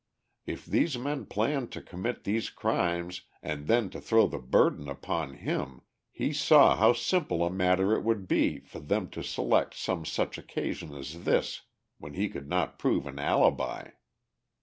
If these men planned to commit these crimes and then to throw the burden upon him, he saw how simple a matter it would be for them to select some such occasion as this when he could not prove an alibi.